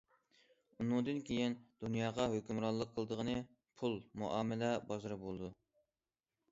ئۇنىڭدىن كېيىن دۇنياغا ھۆكۈمرانلىق قىلىدىغىنى پۇل مۇئامىلە بازىرى بولىدۇ.